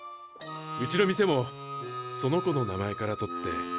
うちの店もその子の名前から取って。